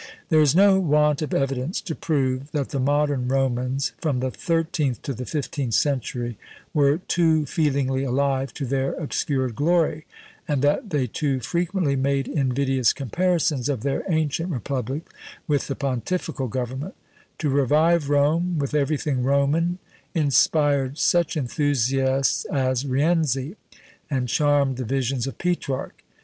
There is no want of evidence to prove that the modern Romans, from the thirteenth to the fifteenth century, were too feelingly alive to their obscured glory, and that they too frequently made invidious comparisons of their ancient republic with the pontifical government; to revive Rome, with everything Roman, inspired such enthusiasts as Rienzi, and charmed the visions of Petrarch.